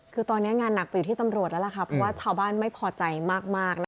คือตอนนี้งานหนักไปอยู่ที่ตำรวจแล้วล่ะค่ะเพราะว่าชาวบ้านไม่พอใจมากนะคะ